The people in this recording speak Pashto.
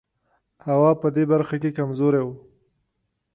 هوا په دې برخه کې کمزوری و.